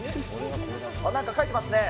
なんか書いてますね。